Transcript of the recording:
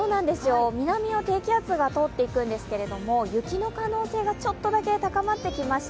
南を低気圧が通っていくんですが、雪の可能性がちょっとだけ高まってきました。